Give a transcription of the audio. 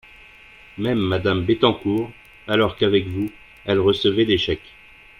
Même Madame Bettencourt, alors qu’avec vous, elle recevait des chèques